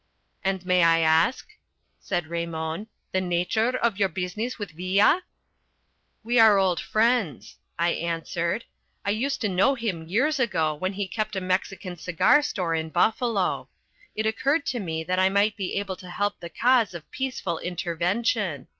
"And may I ask," said Raymon, "the nature of your business with Villa?" "We are old friends," I answered. "I used to know him years ago when he kept a Mexican cigar store in Buffalo. It occurred to me that I might be able to help the cause of peaceful intervention.